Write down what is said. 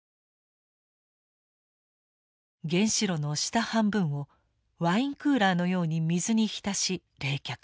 原子炉の下半分をワインクーラーのように水に浸し冷却。